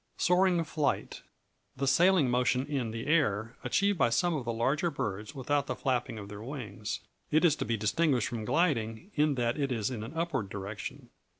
Soaring Flight The sailing motion in the air achieved by some of the larger birds without the flapping of their wings. It is to be distinguished from gliding in that it is in an upward direction.